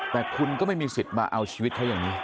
แต่คุณก็ไม่มีสิทธิ์มาเอาชีวิตเขาอย่างนี้